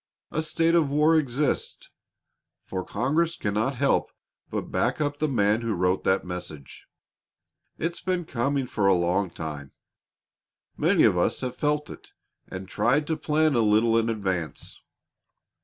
A state of war exists, for Congress cannot help but back up the man who wrote that message. It's been coming for a long time. Many of us have felt it and tried to plan a little in advance.